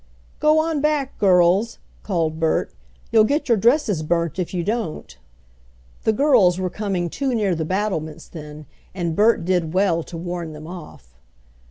"Go on back, girls!" called Bert. "You'll get your dresses burnt if you don't." The girls were coming too near the battlements then, and Bert did well to warn them off.